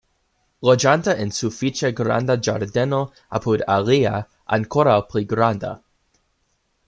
Loĝante en sufiĉe granda ĝardeno apud alia ankoraŭ pli granda.